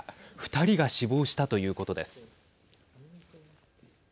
２人が死亡したということです。